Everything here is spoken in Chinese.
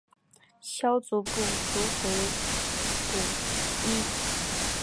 萧族部族回鹘裔。